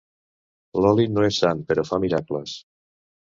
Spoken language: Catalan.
L'oli no és sant, però fa miracles.